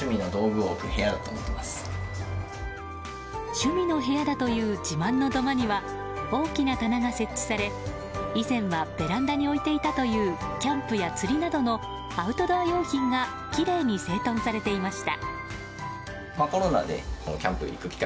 趣味の部屋だという自慢の土間には大きな棚が設置され、以前はベランダに置いていたというキャンプや釣りなどのアウトドア用品がきれいに整頓されていました。